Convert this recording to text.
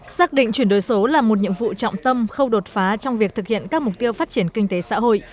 xác định chuyển đổi số là một nhiệm vụ trọng tâm khâu đột phá trong việc thực hiện các mục tiêu phát triển kinh tế xã hội